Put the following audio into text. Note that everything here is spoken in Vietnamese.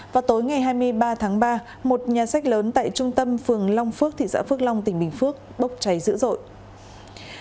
vào tối ngày hai mươi ba tháng ba một nhà sách lớn tại trung tâm phường long phước thị xã phước long tỉnh bình phước bốc cháy dữ dội